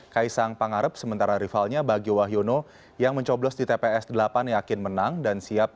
kaisang pangarep sementara rivalnya bagi wahyono yang mencoblos di tps delapan yakin menang dan siap